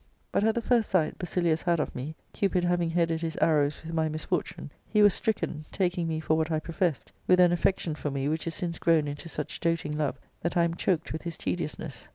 " But at the first sight Basilius had of me, Cupid having headed his arrows with my misfortune, he was stricken, taking me for what I professed, with an affection for me which is since grown into such doting love that I am choked ^ith his tediousness.